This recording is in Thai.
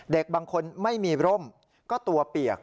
เด็กบางคนไม่มีร่มก็ตัวเปียก